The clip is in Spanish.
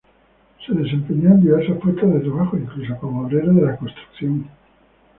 Se desempeñó en diversos puestos de trabajo, incluso como obrero de la construcción.